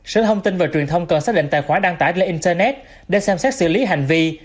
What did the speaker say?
sở thông tin và truyền thông cần xác định tài khoản đăng tải lên internet để xem xét xử lý hành vi